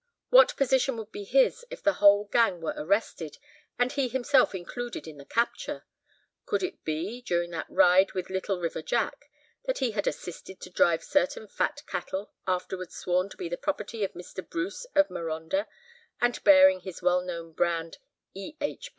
What position would be his if the whole gang were arrested, and he himself included in the capture? Could it be, during that ride with Little River Jack, that he had assisted to drive certain fat cattle afterwards sworn to be the property of Mr. Bruce of Marondah, and bearing his well known brand "E. H.